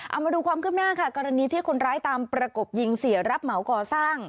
เอามาดูความขึ้นหน้าค่ะกรณีที่คนร้ายตามประกบยิงเสียรับเหมาก่อสร้าง